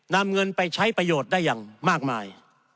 นำเงินไปใช้ประโยชน์ได้อย่างมากมาย